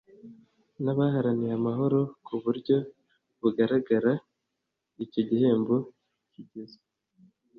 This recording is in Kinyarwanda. n'abaharaniye amahoro ku buryo bugaragara. icyo gihembo kigizwe